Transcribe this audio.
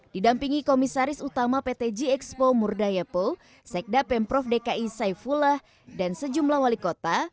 didampingi komisaris utama pt gxpo murdayepo sekda pemprov dki saifullah dan sejumlah wali kota